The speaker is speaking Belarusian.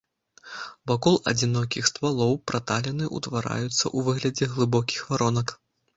Вакол адзінокіх ствалоў праталіны ўтвараюцца ў выглядзе глыбокіх варонак.